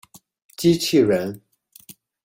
机器人。